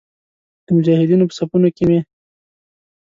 د مجاهدینو په صفونو کې مې.